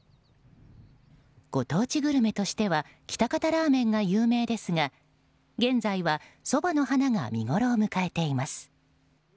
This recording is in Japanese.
ご当地グルメとしては喜多方ラーメンが有名ですが現在は、ソバの花が見ごろを迎えています。